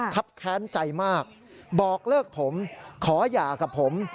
ครับแค้นใจมากบอกเลิกผมขอหย่ากับผม